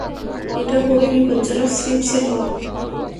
এটা খুবই বিপজ্জনক স্লিপ ছিল।